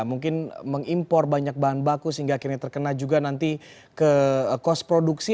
mungkin mengimpor banyak bahan baku sehingga akhirnya terkena juga nanti ke kos produksi